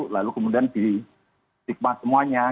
lalu kemudian disigma semuanya